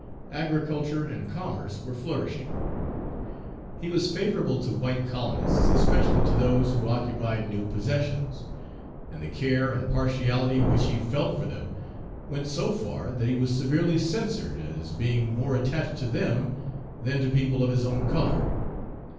Agriculture and commerce were flourishing; he was favorable to white colonists, especially to those who occupied new possessions; and the care and partiality which he felt for them went so far that he was severely censured as being more attached to them than to people of his own color.